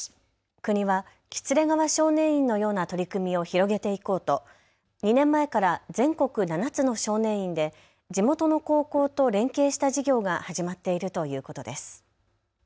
国は喜連川少年院のような取り組みを広げていこうと２年前から全国７つの少年院で地元の高校と連携した事業が始まっているということです。